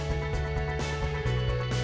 menjadi cerita tersendiri